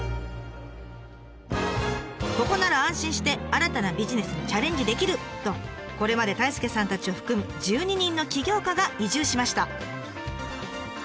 ここなら安心して新たなビジネスにチャレンジできるとこれまで太亮さんたちを含む１２人の起業家が移住しました。